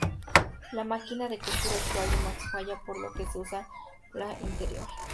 La máquina de costura actual de Max falla, por lo que usa la anterior.